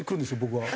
僕は。